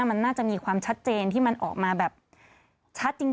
มันน่าจะมีความชัดเจนที่มันออกมาแบบชัดจริง